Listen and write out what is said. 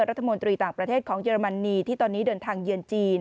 รัฐมนตรีต่างประเทศของเยอรมนีที่ตอนนี้เดินทางเยือนจีน